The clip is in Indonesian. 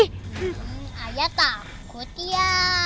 hmm ayah takut ya